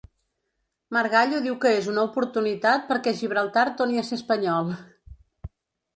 Margallo diu que és una oportunitat perquè Gibraltar torni a ser espanyol.